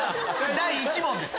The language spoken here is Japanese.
第１問です。